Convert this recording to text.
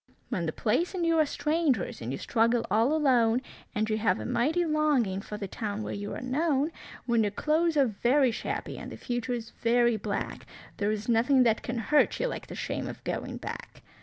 When the place and you are strangers and you struggle all alone, And you have a mighty longing for the town where you are known; When your clothes are very shabby and the future's very black, There is nothing that can hurt you like the shame of going back.